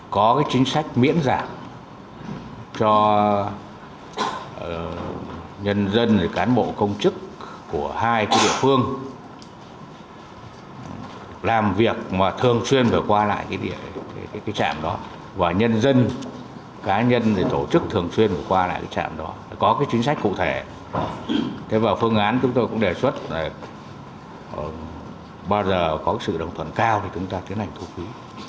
chính sách cụ thể và phương án chúng tôi cũng đề xuất là bao giờ có sự đồng thuận cao thì chúng ta tiến hành thu phí